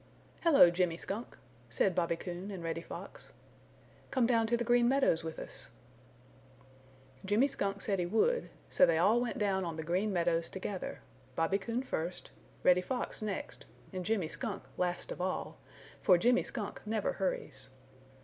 "Hello, Jimmy Skunk!" said Bobby Coon and Reddy Fox. "Come down to the Green Meadows with us." Jimmy Skunk said he would, so they all went down on the Green Meadows together, Bobby Coon first, Reddy Fox next and Jimmy Skunk last of all, for Jimmy Skunk never hurries.